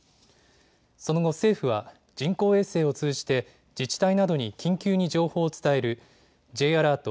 その後、政府は人工衛星を通じて自治体などに緊急に情報を伝えるＪアラート